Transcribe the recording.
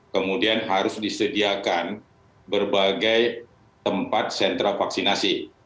kemudian harus disediakan berbagai tempat sentra vaksinasi